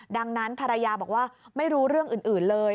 ดังนั้นภรรยาบอกว่าไม่รู้เรื่องอื่นเลย